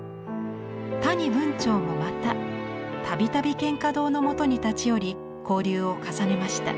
谷文晁もまた度々蒹葭堂のもとに立ち寄り交流を重ねました。